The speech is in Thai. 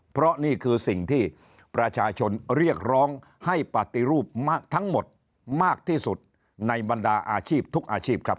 เพราะนี่คือสิ่งที่ประชาชนเรียกร้องให้ปฏิรูปทั้งหมดมากที่สุดในบรรดาอาชีพทุกอาชีพครับ